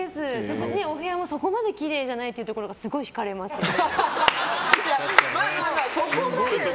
お部屋もそこまできれいじゃないというところがすごくひかれますね。